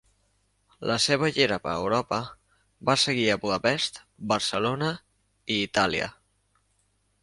La seva gira per Europa va seguir a Budapest, Barcelona i Itàlia.